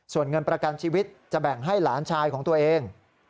ส่วนเงินประกันชีวิตจะแบ่งให้หลานชายของตัวเอง